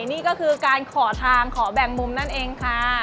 นี่ก็คือการขอทางขอแบ่งมุมนั่นเองค่ะ